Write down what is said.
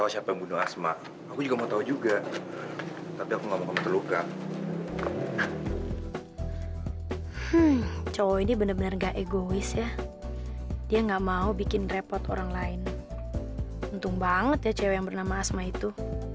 sekarang mu harus gembira liulu